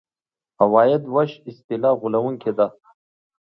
عوایدو وېش اصطلاح غولوونکې ده.